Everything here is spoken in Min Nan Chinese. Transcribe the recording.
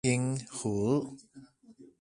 鯨魚